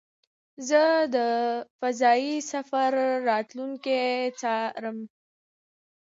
زه د فضایي سفر راتلونکی څارم.